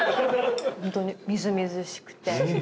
ホントにみずみずしくて。